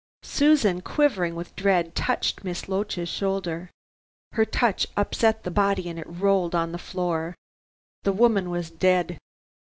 Susan, quivering with dread, touched Miss Loach's shoulder. Her touch upset the body and it rolled on the floor. The woman was dead.